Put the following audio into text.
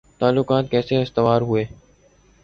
تعلقات کیسے استوار ہوئے